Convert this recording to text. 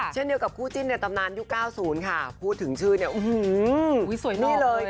เช่นเดียวกับคู่จิ้นในตำนานยุค๙๐ค่ะพูดถึงชื่อเนี่ยสวยนี่เลย